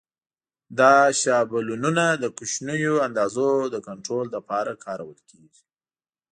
دا شابلونونه د کوچنیو اندازو د کنټرول لپاره کارول کېږي.